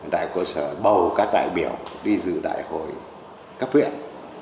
đại hội cơ sở bầu các đại biểu đi dự đại hội cấp viện